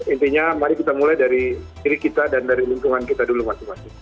intinya mari kita mulai dari diri kita dan dari lingkungan kita dulu masing masing